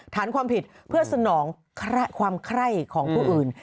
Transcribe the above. ฐานความผิดเพื่อสนองความไคร้ของผู้อื่น